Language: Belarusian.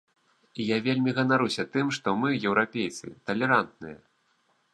І я вельмі ганаруся тым, што мы, еўрапейцы, талерантныя.